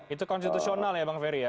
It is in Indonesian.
itu konstitusional ya bang ferry ya